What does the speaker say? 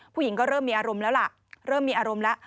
ผู้หญิงก็เริ่มมีอารมณ์แล้วล่ะเริ่มมีอารมณ์แล้ว